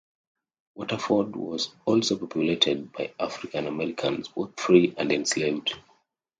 Waterford was also populated by African-Americans, both free and enslaved.